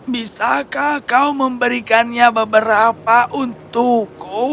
bisakah kau memberikannya beberapa untukku